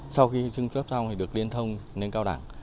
sau khi trưng cấp xong thì được liên thông lên cao đẳng